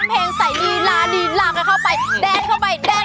ให้มันหลืมเนอนไปเลย